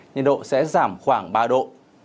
nhiệt độ sẽ giảm khoảng ba độ